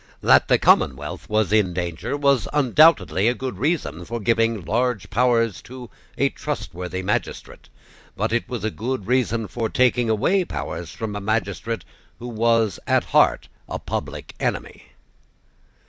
That the commonwealth was in danger was undoubtedly a good reason for giving large powers to a trustworthy magistrate: but it was a good reason for taking away powers from a magistrate who was at heart a public enemy.